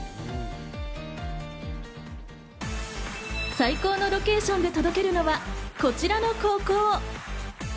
最高のロケーションで届けるのは、こちらの高校。